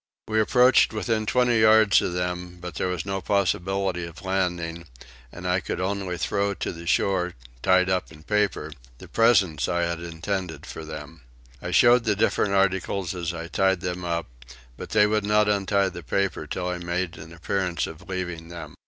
We approached within twenty yards of them, but there was no possibility of landing and I could only throw to the shore, tied up in paper, the presents which I intended for them. I showed the different articles as I tied them up, but they would not untie the paper till I made an appearance of leaving them.